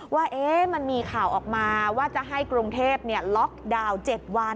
ว่ามันมีข่าวออกมาว่าจะให้กรุงเทพล็อกดาวน์๗วัน